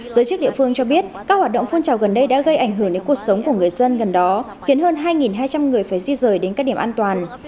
giới chức địa phương cho biết các hoạt động phun trào gần đây đã gây ảnh hưởng đến cuộc sống của người dân gần đó khiến hơn hai hai trăm linh người phải di rời đến các điểm an toàn